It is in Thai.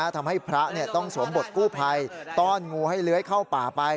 ทำให้พระต้องสวมบทกู้ภัยต้อนงูให้เลื้อยเข้าป่าไป